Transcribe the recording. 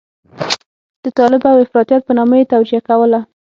د طالب او افراطيت په نامه یې توجیه کوله.